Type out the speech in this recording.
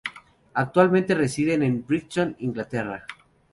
Actualmente residen en Brighton, Inglaterra.